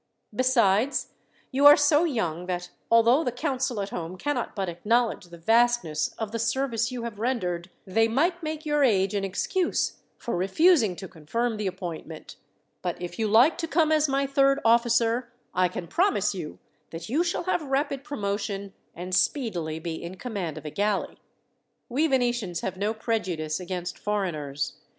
Besides, you are so young, that although the council at home cannot but acknowledge the vastness of the service you have rendered, they might make your age an excuse for refusing to confirm the appointment; but if you like to come as my third officer, I can promise you that you shall have rapid promotion, and speedily be in command of a galley. We Venetians have no prejudice against foreigners.